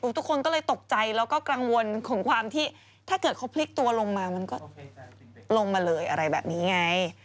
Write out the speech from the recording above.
ทุกคนก็เลยตกใจแล้วก็กังวลของความที่ถ้าเกิดเขาพลิกตัวลงมามันก็ลงมาเลยอะไรแบบนี้ไง